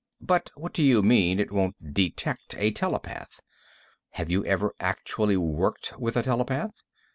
"But what do you mean, it won't detect a telepath? Have you ever actually worked with a telepath?"